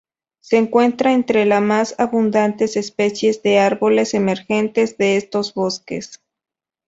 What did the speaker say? Se encuentra entre las más abundantes especies de árboles emergentes de estos bosques.